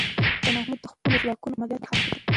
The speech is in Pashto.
شاه محمود د خپلو ځواکونو په عملیاتو کې برخه اخیستله.